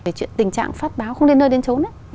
về tình trạng phát báo không nên nơi nên trốn